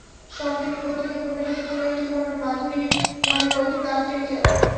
সম্প্রতি পত্রিকায় প্রকাশিত কোনো একটি ঘটনা মাধুরীর মনে গভীর দাগ টেনে যায়।